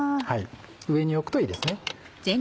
上に置くといいですね。